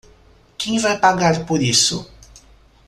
Quem vai pagar por isso?